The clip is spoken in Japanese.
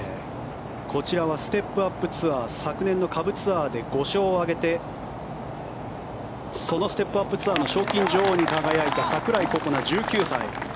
こちらはステップアップツアー昨年の下部ツアーで５勝を挙げてそのステップ・アップ・ツアーの賞金女王に輝いた櫻井心那１９歳。